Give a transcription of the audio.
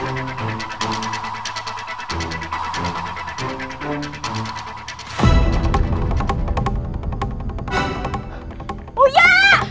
iya gue mesti keluar